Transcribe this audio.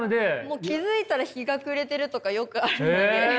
気付いたら日が暮れてるとかよくあるので。